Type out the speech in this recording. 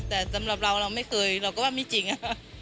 แต่สำหรับเราเราไม่เคยเราก็ว่าไม่จริงค่ะ